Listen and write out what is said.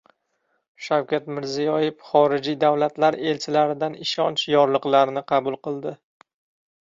Shavkat Mirziyoyev xorijiy davlatlar elchilaridan ishonch yorliqlarini qabul qildi